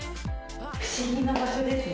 不思議な場所ですね。